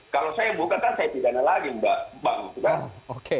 kalau saya buka kan saya tidak ada lagi mbak